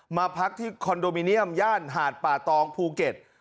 มาพักที่คอนโดมิเนียมย่านหาดป่าตองภูเก็ต